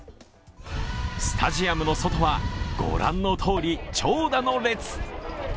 スタジアムの外はご覧のとおり長蛇の列。